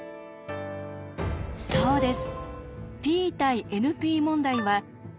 そうです。